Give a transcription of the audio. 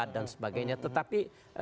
dan sebagainya tetapi